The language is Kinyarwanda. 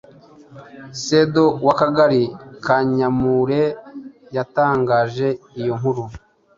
sedo w’akagari ka nyamure yatangaje iyo nkuru